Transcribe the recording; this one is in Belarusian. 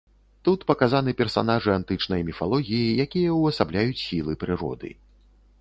Тут паказаны персанажы антычнай міфалогіі, якія ўвасабляюць сілы прыроды.